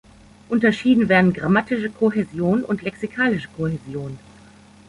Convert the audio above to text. Unterschieden werden grammatische Kohäsion und lexikalische Kohäsion.